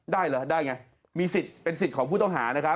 ได้เหรอได้ไงมีสิทธิ์เป็นสิทธิ์ของผู้ต้องหานะครับ